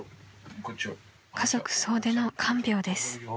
［家族総出の看病です］